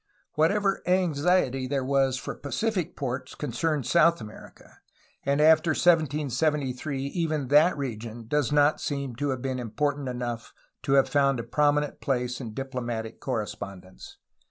Whatever anxiety there was for Pacific ports concerned South America, and after 1773 even that region does not seem to have been important enough to have found a prominent place in diplomatic correspondence.